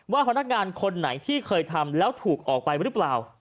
พนักงานคนไหนที่เคยทำแล้วถูกออกไปหรือเปล่า